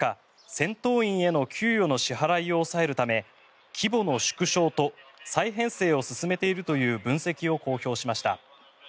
戦闘員への給与の支払いを抑えるため規模の縮小と再編成を進めているという分析を公表しました。